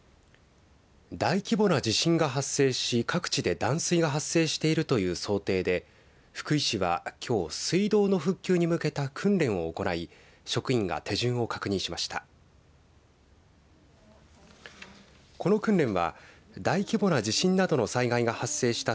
大規模な地震が発生し各地で断水が発生しているという想定で福井市は、きょう水道の復旧に向けた訓練を行い職員が手順を確認しました。